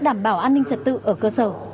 đảm bảo an ninh trật tự ở cơ sở